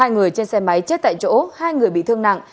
hai người trên xe máy chết tại chỗ hai người bị thương nặng